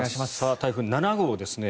台風７号ですね。